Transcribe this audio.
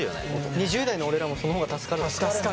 ２０代の俺らもその方が助かるわ。